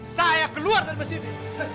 saya keluar dari masjid ini